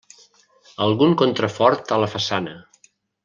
Algun contrafort a la façana.